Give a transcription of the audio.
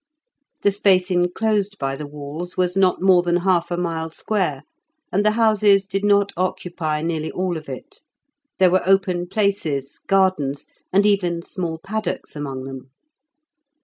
The space enclosed by the walls was not more than half a mile square, and the houses did not occupy nearly all of it. There were open places, gardens, and even small paddocks among them.